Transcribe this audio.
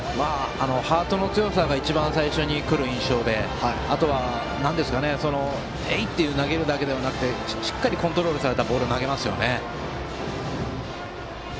ハートの強さが一番最初に来る印象であとは、えいって投げるだけじゃなくてしっかりコントロールされたボールを投げますよね。